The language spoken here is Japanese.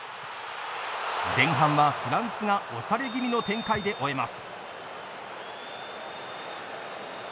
前半はフランスが押され気味の展開で終えます。